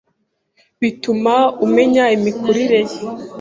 bituma umenya imikurire ye